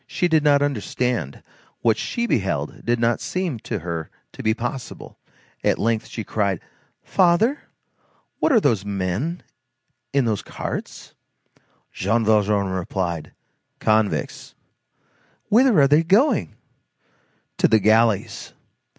She did not understand; what she beheld did not seem to her to be possible; at length she cried:— "Father! What are those men in those carts?" Jean Valjean replied: "Convicts." "Whither are they going?" "To the galleys."